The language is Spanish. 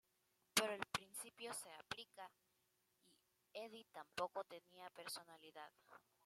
Pero el principio se aplica, y Hedy tampoco tenía personalidad.